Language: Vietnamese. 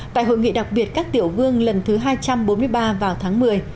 tại hội nghị đặc biệt các tiểu vương lần thứ hai trăm bốn mươi ba vào tháng một mươi